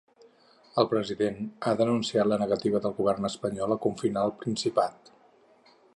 El president ha denunciat la negativa del govern espanyol a confinar el Principat.